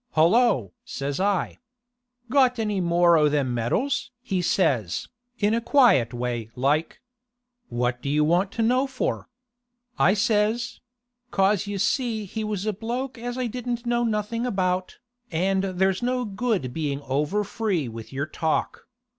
"Hollo!" says I. "Got any more o' them medals?" he says, in a quiet way like. "What do you want to know for?" I says—'cos you see he was a bloke as I didn't know nothing about, and there's no good being over free with your talk.